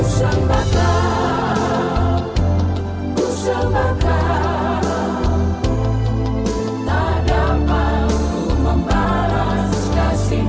selalu ku berkata tuhan yesus baik